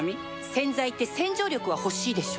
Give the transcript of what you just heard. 洗剤って洗浄力は欲しいでしょ